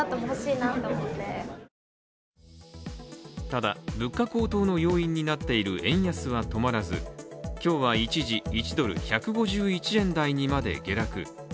ただ、物価高騰の要因になっている円安は止まらず今日は一時１ドル＝１５１円台にまで下落。